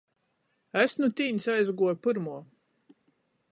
Es nu tīņs aizguoju pyrmuo.